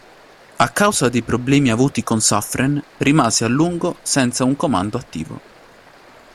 A causa dei problemi avuti con Suffren rimase a lungo senza un comando attivo.